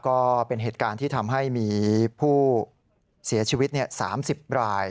ก็เป็นเหตุการณ์ที่ทำให้มีผู้เสียชีวิต๓๐ราย